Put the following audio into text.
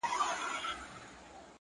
نیک عمل له الفاظو ډېر ځواک لري!.